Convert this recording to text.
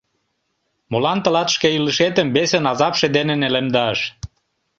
Молан тылат шке илышетым весын азапше дене нелемдаш?